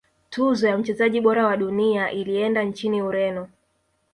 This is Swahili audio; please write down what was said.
tuzo ya mchezaji bora wa dunia ilienda nchini ureno